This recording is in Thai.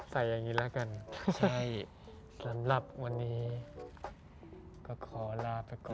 ใส่อย่างนี้แล้วกันสำหรับวันนี้ก็ขอลาไปค่อยนะครับ